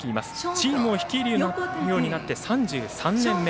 チームを率いるようになって３３年目。